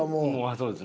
そうですね。